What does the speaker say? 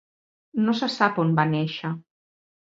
No se sap on va néixer.